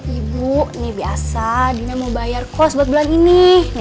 ibu ini biasa dina mau bayar kos buat bulan ini